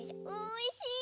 おいしい。